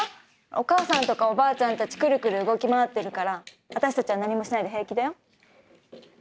お母さんとかおばあちゃんたちくるくる動き回ってるから私たちは何もしないで平気だよ。